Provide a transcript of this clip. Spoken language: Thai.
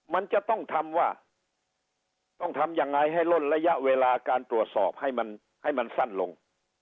มันจะต้องทำว่าต้องทำยังไงให้ล่นระยะเวลาการตรวจสอบให้มันให้มันสั้นลง